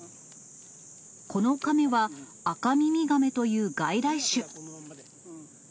このカメは、アカミミガメという外来種。